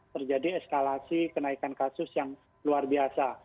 terjadi eskalasi kenaikan kasus yang luar biasa